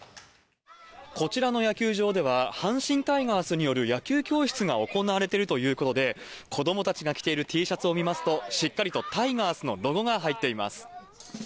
こちらの野球場では、阪神タイガースによる野球教室が行われているということで、子どもたちが着ているＴシャツを見ますと、しっかりとタイガースのロゴが入っています。